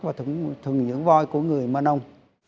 và thuần dưỡng voi của người mơ nông